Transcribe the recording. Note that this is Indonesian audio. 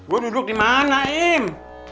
gua duduk dimana im